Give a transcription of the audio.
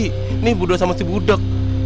ini budak sama si budak